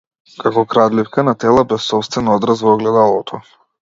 Како крадливка на тела, без сопствен одраз во огледалото.